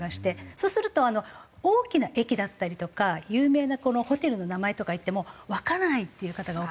そうすると大きな駅だったりとか有名なホテルの名前とか言ってもわからないっていう方が多くて。